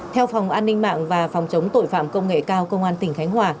theo phòng an ninh mạng và phòng chống tội phạm công nghệ cao công an tỉnh khánh hòa